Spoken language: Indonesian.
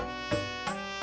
ada apa be